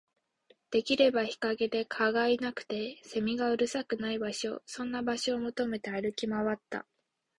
できれば日陰で、蚊がいなくて、蝉がうるさくない場所、そんな場所を求めて歩き回った